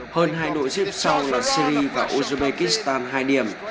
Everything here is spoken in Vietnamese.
hơn hai đội xếp sau là syri và uzbekistan hai điểm